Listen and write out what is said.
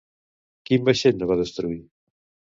Quin vaixell no van destruir?